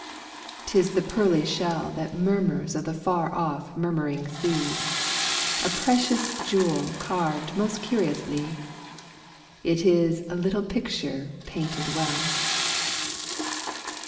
T is the pearly shell That mormnrs of the f ar o£P murmuring sea ; A precious jewel carved most curiously ; It is a little picture painted well.